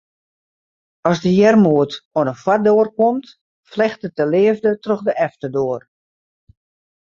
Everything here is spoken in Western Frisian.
As de earmoed oan 'e foardoar komt, flechtet de leafde troch de efterdoar.